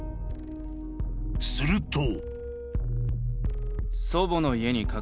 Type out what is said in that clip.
［すると］